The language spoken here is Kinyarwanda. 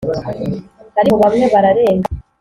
ariko bamwe bararenga.